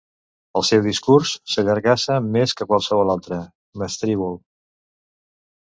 El seu discurs s'allargassa més que qualsevol altre, mestrívol.